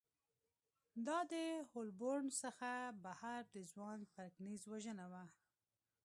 دا د هولبورن څخه بهر د ځوان پرکینز وژنه وه